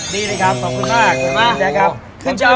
ดีเลยครับขอบคุณมาก